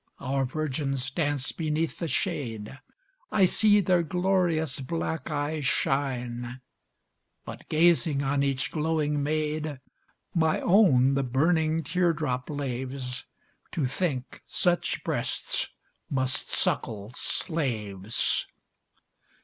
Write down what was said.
Our virgins dance beneath the shade: I see their glorious black eyes shine; But, gazing on each glowing maid, My own the burning tear drop laves, To think such breasts must suckle slaves.